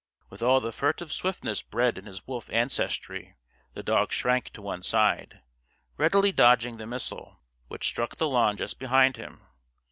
With all the furtive swiftness bred in his wolf ancestry, the dog shrank to one side, readily dodging the missile, which struck the lawn just behind him.